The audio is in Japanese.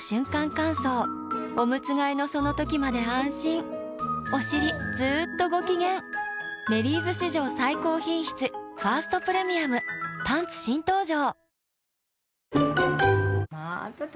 乾燥おむつ替えのその時まで安心おしりずっとご機嫌「メリーズ」史上最高品質「ファーストプレミアム」パンツ新登場！